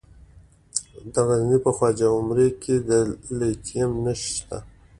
د غزني په خواجه عمري کې د لیتیم نښې شته.